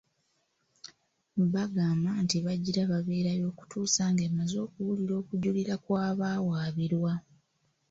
Bagamba nti bagira babeerayo okutuusa ng'emaze okuwulira okujulira kw'abawawaabirwa.